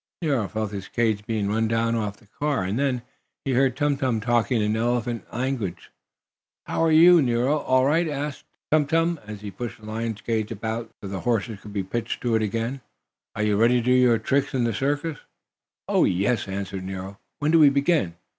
Nero felt his cage being run down off the car, and then he heard Tum Tum talking in elephant animal language. "How are you, Nero? All right?" asked Tum Tum, as he pushed the lion's cage about so the horses could be hitched to it again. "Are you ready to do your tricks in the circus?" "Oh, yes," answered Nero. "When do we begin?"